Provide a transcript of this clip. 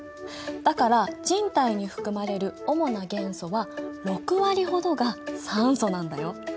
だから人体に含まれる主な元素は６割ほどが酸素なんだよ。